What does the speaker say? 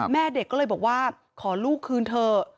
แม่เด็กก็เลยบอกว่าขอลูกคืนเถอะ